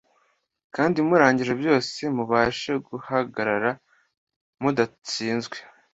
kandi murangije byose mubashe guhagarara mudatsinzwe